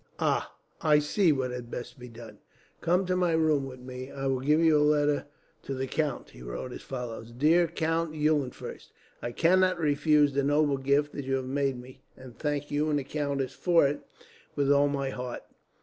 "Ah! I see what had best be done. Come to my room with me. I will give you a letter to the count." He wrote as follows: "Dear Count Eulenfurst, "I cannot refuse the noble gift that you have made me, and thank you and the countess for it, with all my heart.